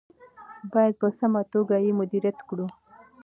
باید په سمه توګه یې مدیریت کړو.